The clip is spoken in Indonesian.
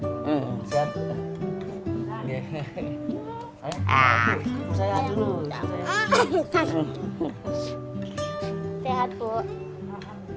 kami juga mencari jalan untuk mencari jalan